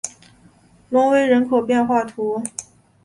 隆维人口变化图示